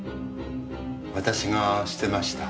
私が捨てました。